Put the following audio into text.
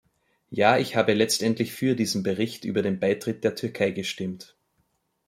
Ja, ich habe letztendlich für diesen Bericht über den Beitritt der Türkei gestimmt.